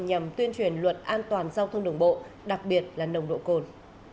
nhằm tuyên truyền luật an toàn giao thông đường bộ đặc biệt là nồng độ cồn